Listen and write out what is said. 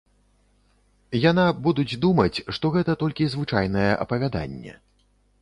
Яна будуць думаць, што гэта толькі звычайнае апавяданне.